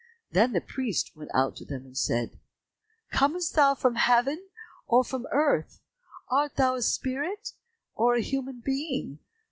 Then the priest went out to them and said, "Comest thou from heaven or from earth? Art thou a spirit, or a human being?"